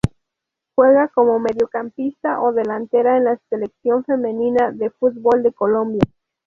Juega como mediocampista o delantera en la Selección femenina de fútbol de Colombia.